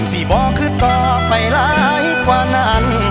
ที่บอกคือต่อไปหลายกว่านั้น